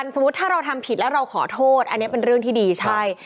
สมมุติถ้าเราทำผิดแล้วเราขอโทษอันนี้เป็นเรื่องที่ดีใช่